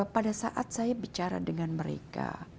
pada saat saya bicara dengan mereka